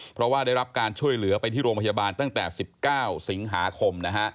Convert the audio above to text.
เพราะว่าได้รับการช่วยเหลือไปที่โรงพยาบาลตั้งแต่๑๙สิงหาคม